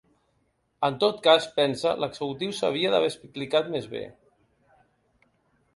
En tot cas, pensa, l’executiu s’havia d’haver explicat més bé.